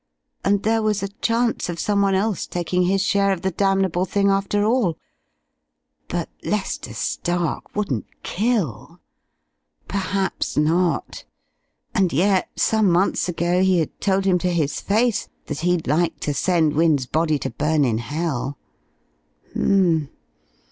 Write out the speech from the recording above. And there was a chance of someone else taking his share of the damnable thing, after all!... But Lester Stark wouldn't kill. Perhaps not and yet, some months ago he had told him to his face that he'd like to send Wynne's body to burn in hell!... H'm.